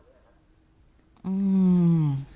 อืม